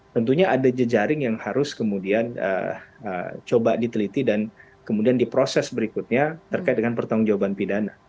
tentunya ada jejaring yang harus kemudian coba diteliti dan kemudian diproses berikutnya terkait dengan pertanggung jawaban pidana